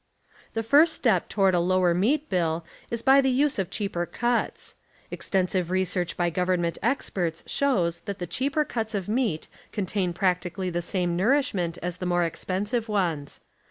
The first step toward a lower meat bill is by the use of cheaper cuts. Extensive research by government experts shows that the chca])er cuts of meat contain practically the same nour „, ishment as the more expensive ones.